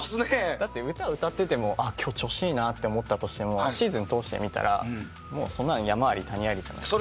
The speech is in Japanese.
だって歌歌ってても今日調子いいなと思ったとしてもシーズン通して見たらそんなの山あり谷ありじゃないですか。